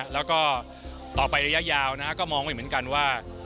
แล้วก็ต่อไประยะยาวก็มองไม่เหมือนกันว่า